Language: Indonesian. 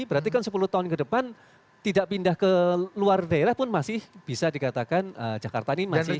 berarti kan sepuluh tahun ke depan tidak pindah ke luar daerah pun masih bisa dikatakan jakarta ini masih